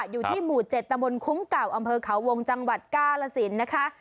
อยู่ที่หมู่๗ตะบนคุ้งเก่าอำเภอเขาวงจังหวัดกาลสินนะคะ